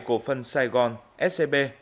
cổ phần sài gòn scb